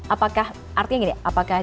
apakah artinya gini apakah